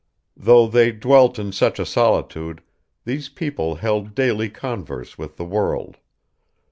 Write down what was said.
Though they dwelt in such a solitude, these people held daily converse with the world.